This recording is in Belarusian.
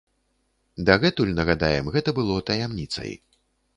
Дагэтуль, нагадаем, гэта было таямніцай.